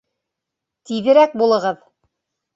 Тиҙерәк булығыҙ!